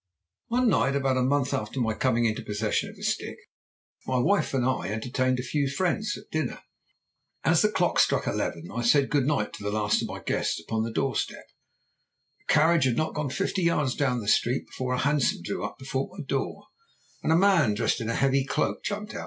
"One night, about a month after my coming into possession of the stick, my wife and I entertained a few friends at dinner. "As the clock struck eleven I said good night to the last of my guests upon the door step. The carriage had not gone fifty yards down the street before a hansom drew up before my door and a man dressed in a heavy cloak jumped out.